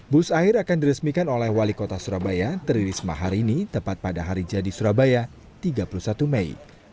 bus air akan diresmikan oleh wali kota surabaya tri risma hari ini tepat pada hari jadi surabaya tiga puluh satu mei